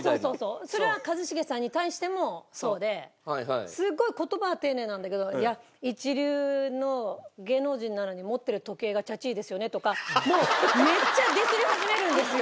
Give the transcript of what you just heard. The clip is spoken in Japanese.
それは一茂さんに対してもそうですっごい言葉は丁寧なんだけど一流の芸能人なのに持ってる時計がちゃちいですよねとかもうめっちゃディスり始めるんですよ。